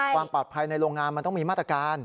ความปลอดภัยในโรงงานมันต้องมีมาตรการ